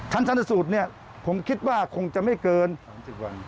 ชั้นสนับสูตรเนี้ยผมคิดว่าคงจะไม่เกินสามสิบวัน